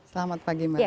selamat pagi mbak